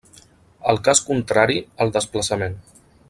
El cas contrari al desplaçament.